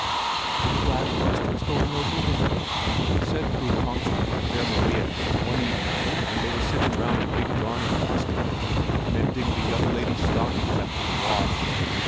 "I'm glad Kongstrup's going over with her," said Fru Kongstrup to Fair Maria one evening when they were sitting round the big darning basket, mending the young lady's stockings after the wash.